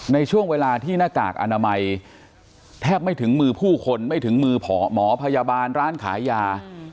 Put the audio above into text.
ในช่วงเวลาที่หน้ากากอนามัยแทบไม่ถึงมือผู้คนไม่ถึงมือหมอพยาบาลร้านขายยา